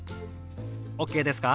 ＯＫですか？